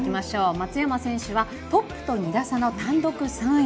松山選手はトップと２打差の単独３位。